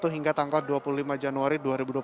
hingga tanggal dua puluh lima januari dua ribu dua puluh